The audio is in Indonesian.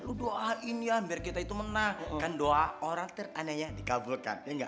lu doain ya biar kita itu menang kan doa orang teraniaya dikabulkan ya enggak